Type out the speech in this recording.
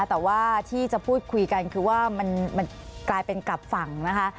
แต่ว่าที่จะพูดคุยกันคือว่ามันกลายเป็นกลับฝั่งนะคะ